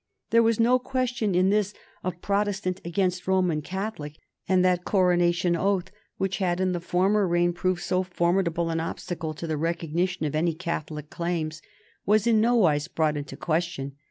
There was no question in this of Protestant against Roman Catholic, and that Coronation Oath, which had in the former reign proved so formidable an obstacle to the recognition of any Catholic claims, was in no wise brought into question.